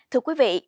thưa quý vị